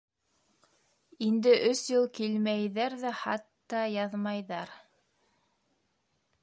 Инде өс йыл килмәйҙәр ҙә, хат та яҙмайҙар...